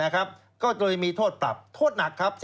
ก็เลยมีโทษปรับโทษหนักครับ